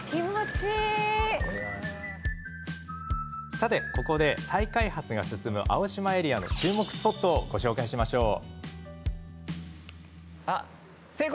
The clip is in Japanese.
さて、ここで再開発が進む青島エリアの注目スポットをご紹介しましょう。